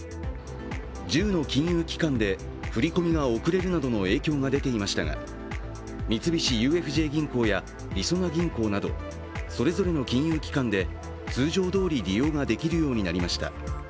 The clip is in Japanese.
１０の金融機関で振り込みが遅れるなどの影響が出ていましたが、三菱ＵＦＪ銀行やりそな銀行などそれぞれの金融機関で通常どおり利用ができるようになりました。